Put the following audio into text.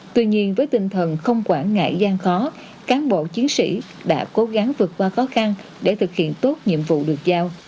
tuy nhiên với tinh thần không quản ngại gian khó cán bộ chiến sĩ đã cố gắng vượt qua khó khăn để thực hiện tốt nhiệm vụ được giao